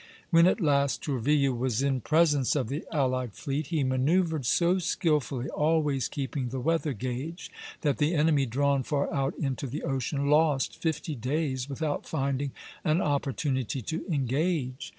When at last Tourville was in presence of the allied fleet, he manoeuvred so skilfully, always keeping the weather gage, that the enemy, drawn far out into the ocean, lost fifty days without finding an opportunity to engage.